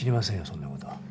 そんなこと。